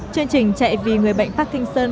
chương trình chạy vì người bệnh parkinson